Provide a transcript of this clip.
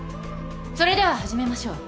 それでは始めましょう。